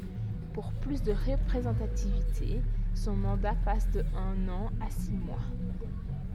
Pour plus de représentativité, son mandat passe de un an à six mois.